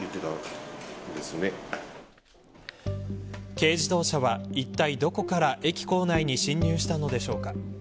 軽自動車は、いったいどこから駅構内に進入したのでしょうか。